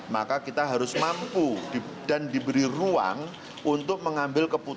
maka kita harus mampu dan diberi ruang untuk mengambil keputusan